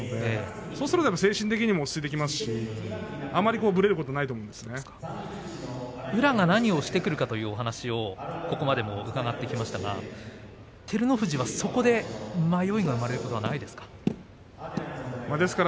そうすれば精神的にも落ち着いてきますしあまりぶれることがないと宇良が何をしてくるかというお話をここまでも伺ってきましたが照ノ富士はそこで迷いが生まれることはないですか。